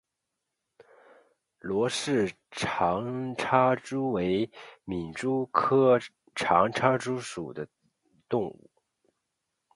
罗氏长插蛛为皿蛛科长插蛛属的动物。